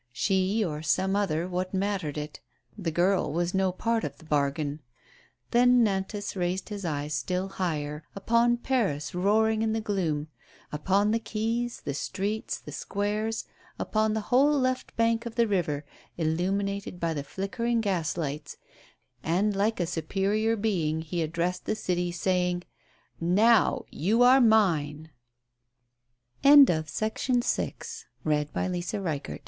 She or some other, what mattered it? The girl was no part of the bargain. Then Nantas raised his eyes still higher, upon Paris roaring in the gloom, upon the quays, the streets, the squares, upon the whole left bank of the river, illuminated by the flicker ing gaslights; and like a superior being he addressed the city, saying: "Now, you are mine!" 76 MADEMOISELLE FLAVIE. CHAPTER II.